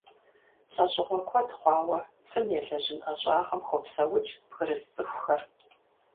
ЛӀэщӀыгъуэ куэд хъуауэ цым елэжьын ӀэщӀагъэм хопсэукӀ бгырыс цӀыхухэр.